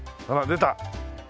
出た。